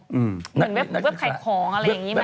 เหมือนเว็บขายของอะไรอย่างนี้ไหม